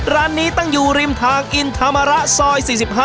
ร้านนี้ตั้งอยู่ริมทางอินธรรมระซอย๔๕